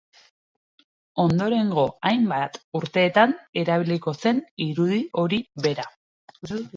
Ondorengo hainbat urteetan erabiliko zen irudi hori bera.